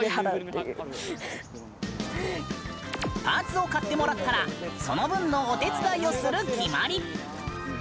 パーツを買ってもらったらその分のお手伝いをする決まり。